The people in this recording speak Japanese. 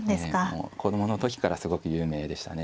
もう子供の時からすごく有名でしたね。